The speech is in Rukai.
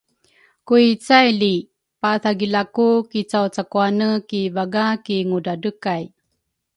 ku icaily pathagilaku kicawcakwane ki vaga ki ngudradrekay.